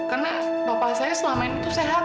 karena bapak saya selama ini tuh sehat